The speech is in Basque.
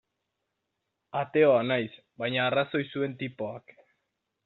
Ateoa naiz, baina arrazoi zuen tipoak.